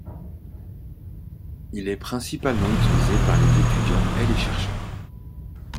Il est principalement utilisé par les étudiants et les chercheurs.